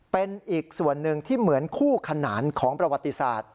เป็นอีกส่วนหนึ่งที่เหมือนคู่ขนานของประวัติศาสตร์